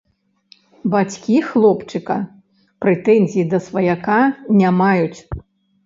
Бацькі хлопчыка прэтэнзій да сваяка не маюць.